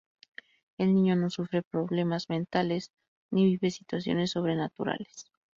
El niño no sufre problemas mentales, ni vive situaciones sobrenaturales.